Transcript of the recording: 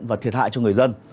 và thiệt hại cho người dân